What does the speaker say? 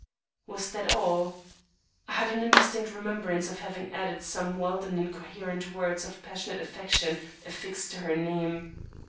Was that all? I had an indistinct remembrance of having added some wild and incoherent words of passionate affection affixed to her name.